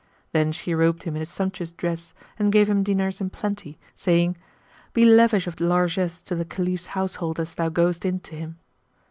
Then she robed him in a sumptuous dress and gave him dinars in plenty, saying, "Be lavish of largesse to the Caliph's household as thou goest in to him."